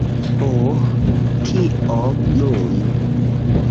Uh... kio nun?